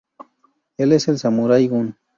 Él es Samurai Gun.